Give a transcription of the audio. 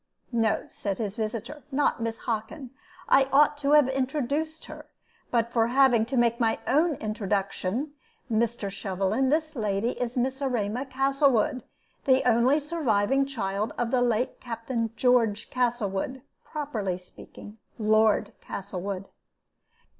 "No," said his visitor, "not Miss Hockin. I ought to have introduced her, but for having to make my own introduction. Mr. Shovelin, this lady is Miss Erema Castlewood, the only surviving child of the late Captain George Castlewood, properly speaking, Lord Castlewood."